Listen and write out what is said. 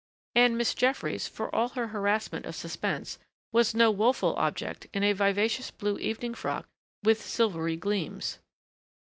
And Miss Jeffries, for all her harassment of suspense, was no woeful object in a vivacious blue evening frock with silvery gleams.